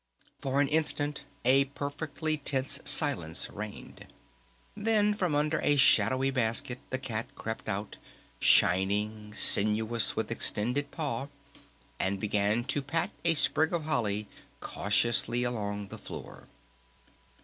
For an instant a perfectly tense silence reigned. Then from under a shadowy basket the Cat crept out, shining, sinuous, with extended paw, and began to pat a sprig of holly cautiously along the floor.